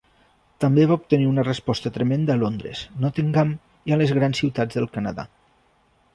També va obtenir una resposta tremenda a Londres, Nottingham i a les grans ciutats del Canadà.